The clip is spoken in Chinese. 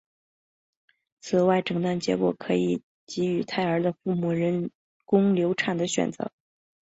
此外诊断结果可以给予胎儿的父母人工流产的选择。